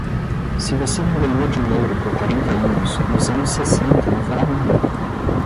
Se você não ganhou dinheiro por quarenta anos, nos anos sessenta não fará nada.